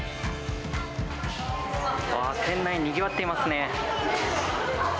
店内、にぎわってますね。